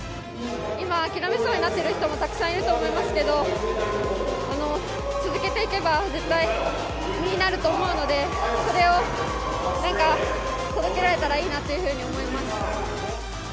今、諦めそうになっている人が、たくさんいると思いますけれども、続けていけば、絶対身になると思うので、それを届けられたらいいなっていうふうに思います。